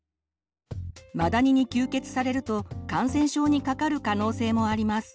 マダニに吸血されると感染症にかかる可能性もあります。